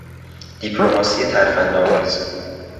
دیپلماسی ترفندآمیز